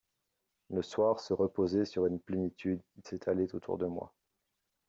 Le soir se reposait sur une plénitude qui s’étalait autour de moi.